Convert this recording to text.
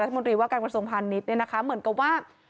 รัฐมนตรีว่าการกระทรวงพลังงานนิตเหมือนกับว่า